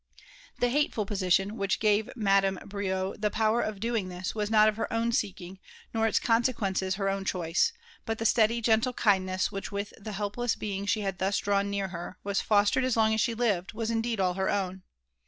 Ibe balrful poiilioa wUch ^ve Madame Bmi the poaww el dOMHf tbia wae noletberowa seeking, nor its eonsequeneea her own chokse ; but the steady, gentle kindness with which the helptasa heiag sbv hid thus drawn near her, was fostered as long as she lived, was indeed all her own.